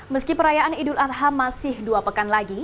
meski perayaan idul adha masih dua pekan lagi